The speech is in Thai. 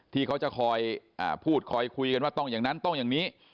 ที่เขาจะคอยพูดคอยคุยกันว่าต้องอย่างนั้นต้องอย่างนี้